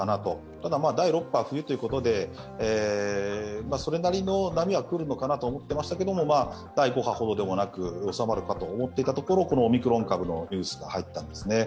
ただ第６波が冬ということで、来るのかなと思っていましたが第５波ほどではなく収まるかと思っていたところ、このオミクロン株のニュースが入ったんですね。